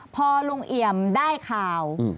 พอลุงเอี่ยมได้ข่าว